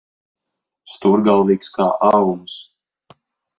Stūrgalvīgs kā auns.